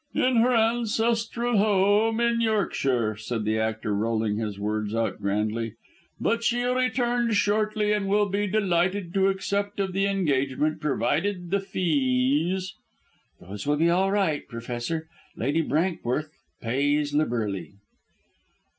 "In her ancestral home in Yorkshire," said the actor rolling his words out grandly, "but she returns shortly and will be delighted to accept of the engagement provided the fees " "Those will be all right, Professor. Lady Brankworth pays liberally."